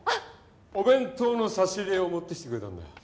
お弁当の差し入れを持ってきてくれたんだよ